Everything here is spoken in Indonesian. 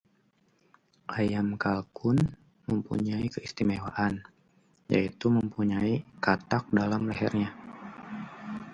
ayam kalkun mempunyai keistimewaan, yaitu mempunyai katak pada lehernya